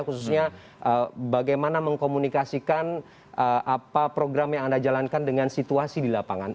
khususnya bagaimana mengkomunikasikan apa program yang anda jalankan dengan situasi di lapangan